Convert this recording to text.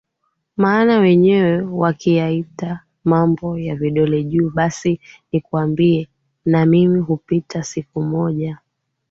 maana wenyewe wakiyaita mambo ya vidole juu Basi nikwambie na mimi hupita siku moja